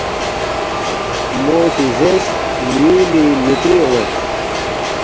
مو سی زیرس، ”میُولی می تری اون٘ید